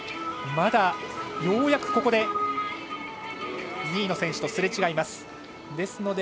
ようやくここで２位の選手とすれ違いました。